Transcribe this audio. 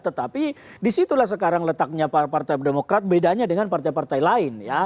tetapi disitulah sekarang letaknya partai demokrat bedanya dengan partai partai lain